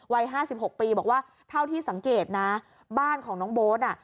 วัย๕๖ปีบอกว่าเท่าที่สังเกตนะบ้านของน้องโบ๊ทอ่ะ